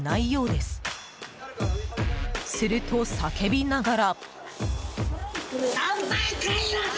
すると、叫びながら。